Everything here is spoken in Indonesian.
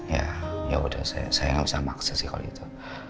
ya ya udah saya gak usah maksa sih kalau gitu